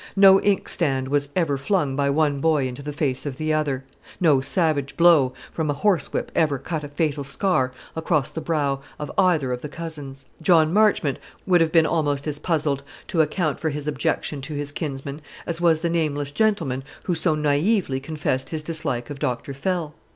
No inkstand was ever flung by one boy into the face of the other; no savage blow from a horsewhip ever cut a fatal scar across the brow of either of the cousins. John Marchmont would have been almost as puzzled to account for his objection to his kinsman, as was the nameless gentleman who so naïvely confessed his dislike of Dr. Fell.